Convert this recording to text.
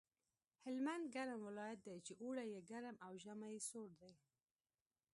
هلمند ګرم ولایت دی چې اوړی یې ګرم او ژمی یې سوړ دی